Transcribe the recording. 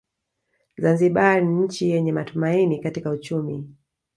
Zanzibar ni nchi yenye matumaini katika uchumi